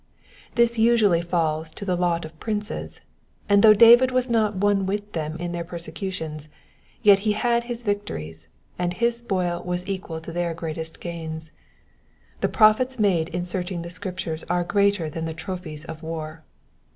This usually falls to the lot of princes, and though David was not one with them in their persecutions, yet he had his victories, and his spoil was equal to their greatest gains. The profits made in searching the Scrip tures were greater than the trophies of war.